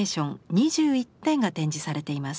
２１点が展示されています。